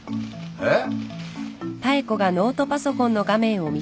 えっ？